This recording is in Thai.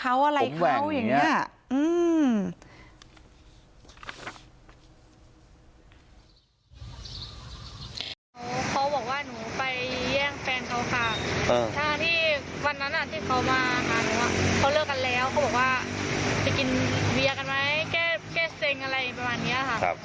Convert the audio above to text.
เขาบอกว่าจะกินเวียกันไหมแก้เซงอะไรประมาณนี้ค่ะ